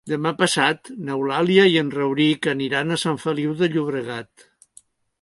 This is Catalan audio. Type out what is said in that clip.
Demà passat n'Eulàlia i en Rauric aniran a Sant Feliu de Llobregat.